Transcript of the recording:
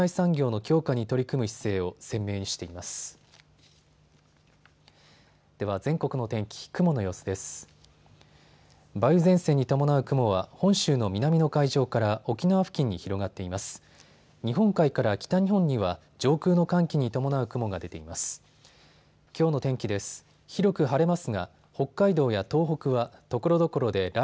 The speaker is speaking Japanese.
日本海から北日本には上空の寒気に伴う雲が出ています。